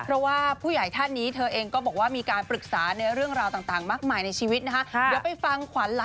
เพราะว่าผู้ใหญ่ท่านนี้เธอเองก็บอกว่ามีการปรึกษาในเรื่องราวต่างมากมายในชีวิตนะคะ